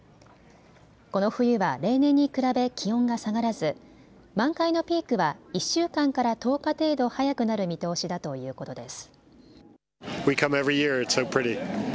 この冬は例年に比べ気温が下がらず満開のピークは１週間から１０日程度早くなる見通しだということです。